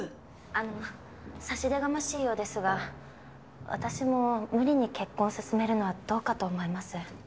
あの差し出がましいようですが私も無理に結婚を勧めるのはどうかと思います。